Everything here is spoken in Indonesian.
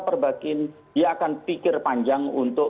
perbakin dia akan pikir panjang untuk